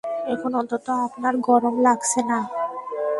এখন অন্তত আপনার গরম লাগছে না।